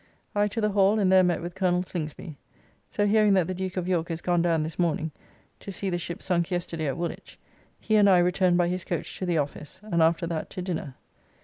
I to the Hall and there met with Col. Slingsby. So hearing that the Duke of York is gone down this morning, to see the ship sunk yesterday at Woolwich, he and I returned by his coach to the office, and after that to dinner.